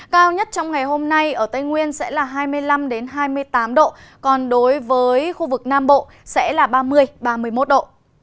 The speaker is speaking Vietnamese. cao nhất trong ngày hôm nay ở tây nguyên sẽ là hai mươi năm hai mươi tám độ còn đối với khu vực nam bộ sẽ là ba mươi ba mươi một độ